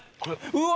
うわ！